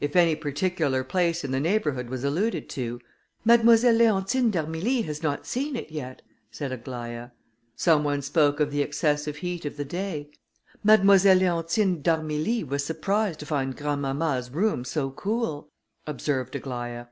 If any particular place in the neighbourhood was alluded to, "Mademoiselle Leontine d'Armilly has not yet seen it," said Aglaïa. Some one spoke of the excessive heat of the day, "Mademoiselle Leontine d'Armilly was surprised to find grandmamma's room so cool," observed Aglaïa.